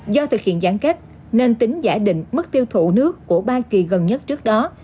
do thực hiện giãn cách nên tính giả định mức tiêu thụ nước của ba kỳ gần nhất trước đó